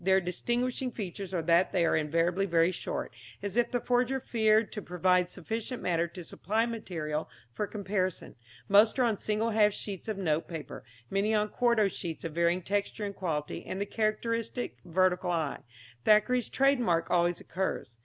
Their distinguishing features are that they are invariably very short, as if the forger feared to provide sufficient matter to supply material for comparison; most are on single half sheets of note paper, many on quarto sheets of varying texture and quality, and the characteristic vertical I, Thackeray's trade mark, always occurs.